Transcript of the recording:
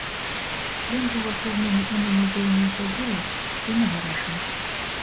Ён быў аформлены і на музейную сядзібу, і на гаражы.